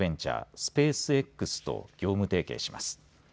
スペースＸと業務提携します。